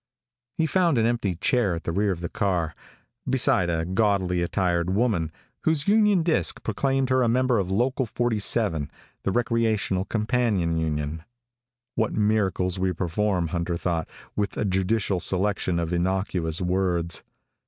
He found an empty chair at the rear of the car, beside a gaudily attired woman, whose union disc proclaimed her a member of Local 47, the Recreational Companion Union. What miracles we perform, Hunter thought, with a judicial selection of innocuous words!